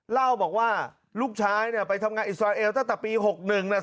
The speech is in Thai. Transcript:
เล่าบอกว่าลูกชายเนี่ยไปทำงานอิสราเอลตั้งแต่ปี๖๑เนี่ย